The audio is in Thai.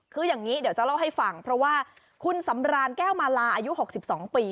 คืออย่างนี้เดี๋ยวจะเล่าให้ฟังเพราะว่าคุณสำรานแก้วมาลาอายุ๖๒ปี